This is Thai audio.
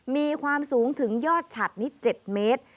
มีความสูงถึงยอดฉัดนี้๗เมตร